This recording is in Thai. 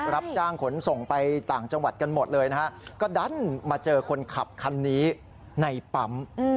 รับจ้างขนส่งไปต่างจังหวัดกันหมดเลยนะฮะก็ดันมาเจอคนขับคันนี้ในปั๊ม